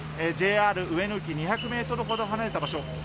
ＪＲ上野駅２００メートルほど離れた場所